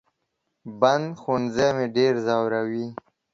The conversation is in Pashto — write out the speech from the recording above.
بند ښوونځي مې ډېر زوروي